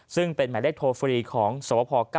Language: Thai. ซึ่งเป็นหมายเลขโทรฟรีของสวพ๙